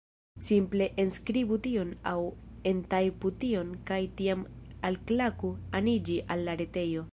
Simple enskribu tion aŭ entajpu tion kaj tiam alklaku aniĝi al la retejo